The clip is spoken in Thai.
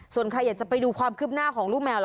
ส่วนใครอยากจะไปดูความคืบหน้าของลูกแมวล่ะ